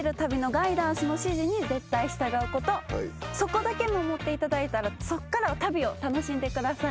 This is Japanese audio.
そこだけ守っていただいたらそっからは旅を楽しんでください。